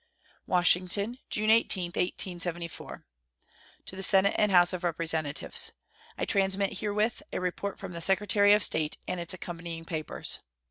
WASHINGTON, June 18, 1874. To the Senate and House of Representatives: I transmit herewith a report from the Secretary of State and its accompanying papers.